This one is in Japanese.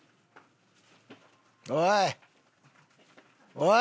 おい！